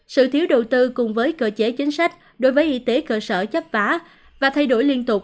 sự thiếu đầu tư cùng với cơ chế chính sách đối với y tế cơ sở chấp phá và thay đổi liên tục